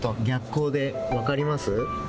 逆光でわかります？